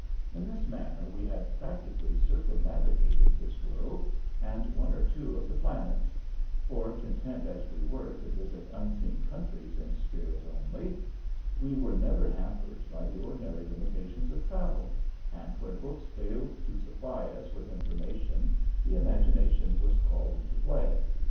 In this manner we had practically circumnavigated this world and one or two of the planets; for, content as we were to visit unseen countries in spirit only, we were never hampered by the ordinary limitations of travel, and where books failed to supply us with information the imagination was called into play.